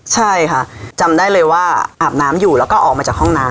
ใช่ค่ะจำได้เลยว่าอาบน้ำอยู่แล้วก็ออกมาจากห้องน้ำ